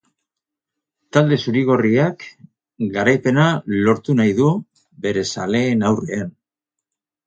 Talde zuri-gorriak garaipena lortu nahi du bere zaleen aurrean.